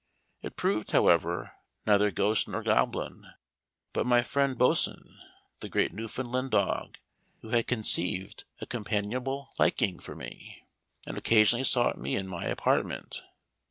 It proved, however, neither ghost nor goblin, but my friend Boatswain, the great Newfoundland dog, who had conceived a companionable liking for me, and occasionally sought me in my apartment.